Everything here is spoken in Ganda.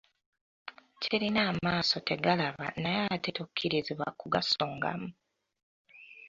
Kirina amaaso tegalaba naye ate tokkirizibwa kugasongamu.